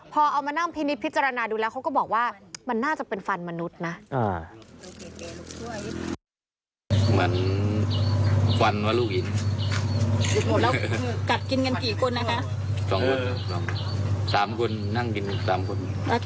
พอเอามานั่งพินิษฐ์พิจารณาดูแล